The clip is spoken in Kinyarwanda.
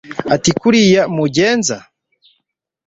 ati ni kuriya mugenza